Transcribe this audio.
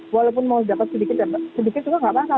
walaupun mau dapat sedikit juga nggak apa apa